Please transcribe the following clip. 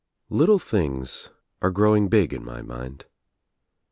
Little things are growing big in my mind.